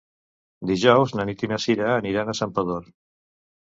Dijous na Nit i na Cira aniran a Santpedor.